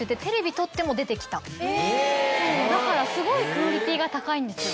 だからすごいクオリティーが高いんですよ。